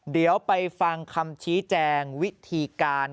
เดี๋ยวไปฟังคำชี้แจงวิธีการ